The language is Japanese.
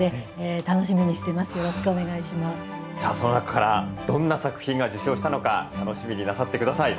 さあその中からどんな作品が受賞したのか楽しみになさって下さい。